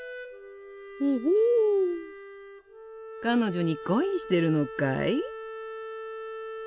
彼女に恋してるのかい？